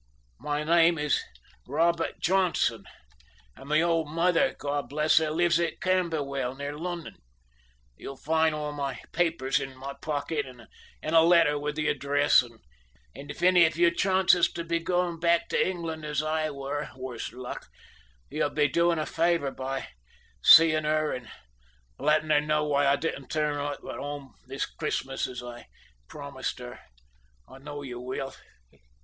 My name is Robert Johnson, and my old mother, God bless her, lives at Camberwell, near London. You'll find all my papers in my pocket and a letter with the address, and if any of you chances to be going back to England as I were, worse luck, you'd be doing a favour by seein' her and letting her know why I didn't turn up home this Christmas as I promised her. I know you will.